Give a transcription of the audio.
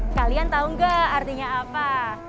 kalian tau gak artinya apa